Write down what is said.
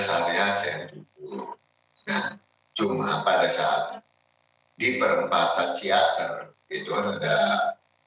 saya akan melakukan perjalanan ke depok